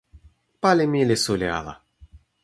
pali mi li suli ala.